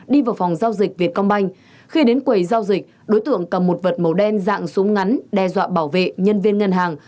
đi vào phòng giao dịch việt công banh khi đến quầy giao dịch đối tượng cầm một vật màu đen dạng súng ngắn đe dọa bảo vệ nhân viên ngân hàng